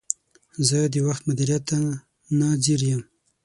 زه د وخت مدیریت ته نه ځیر یم.